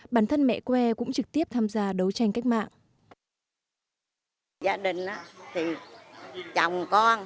bản thân mẹ quê cũng trực tiếp tham gia đấu tranh cách mạng